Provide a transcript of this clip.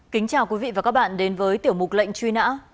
kính chào quý vị và các bạn đến với tiểu mục lệnh truy nã